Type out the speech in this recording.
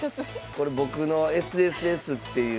これ僕のＳＳＳっていうね